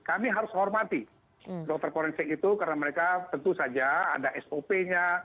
kami harus hormati dokter forensik itu karena mereka tentu saja ada sop nya